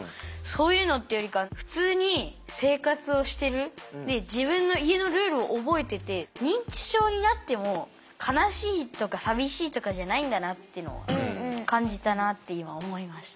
そういうのっていうよりか普通に生活をしてるで自分の家のルールを覚えてて認知症になっても悲しいとか寂しいとかじゃないんだなっていうのを感じたなって今思いました。